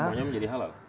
semuanya menjadi halal